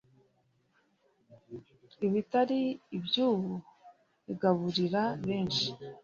Ibitari ibyubu igaburira benshi,